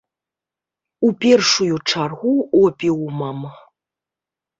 У першую чаргу опіумам.